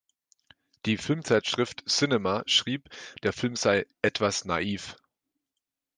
Die Filmzeitschrift "Cinema" schrieb, der Film sei „etwas naiv“.